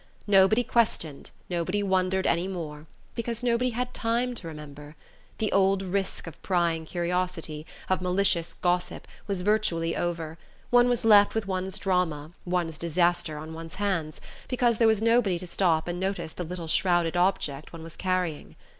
Nobody questioned, nobody wondered any more because nobody had time to remember. The old risk of prying curiosity, of malicious gossip, was virtually over: one was left with one's drama, one's disaster, on one's hands, because there was nobody to stop and notice the little shrouded object one was carrying.